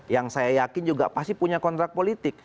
yang saya yakin juga pasti punya kontrak politik